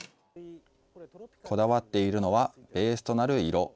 こだわっているのは、ベースとなる色。